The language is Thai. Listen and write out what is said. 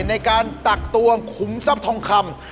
ในการตักตัวขุมทรัพย์ทองคำ